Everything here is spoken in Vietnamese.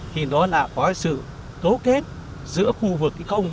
thì nó đã có sự tố kết giữa khu vực công